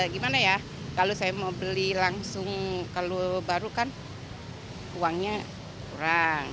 gimana ya kalau saya mau beli langsung kalau baru kan uangnya kurang